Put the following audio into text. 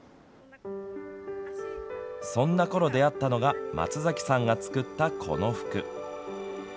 そんなころ出会ったのが松崎さんが作ったこの服。